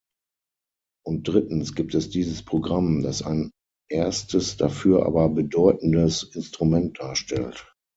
Und drittens gibt es dieses Programm, das ein erstes, dafür aber bedeutendes Instrument darstellt.